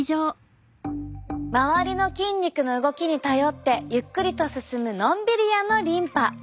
周りの筋肉の動きに頼ってゆっくりと進むのんびり屋のリンパ。